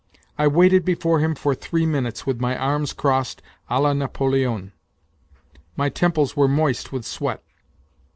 I waited before him for three minutes with my arms crossed a la Napoldon. My temples were moist with sweat.